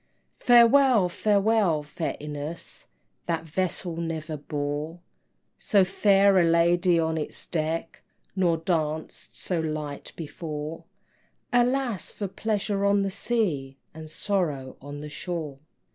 Farewell, farewell, fair Ines, That vessel never bore So fair a lady on its deck, Nor danced so light before, Alas, for pleasure on the sea, And sorrow on the shore!